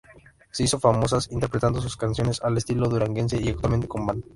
Se hizo famosas interpretando sus canciones al estilo duranguense y actualmente con banda.